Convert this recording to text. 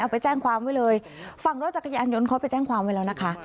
ไปแจ้งความไว้เลยฝั่งรถจักรยานยนต์เขาไปแจ้งความไว้แล้วนะคะ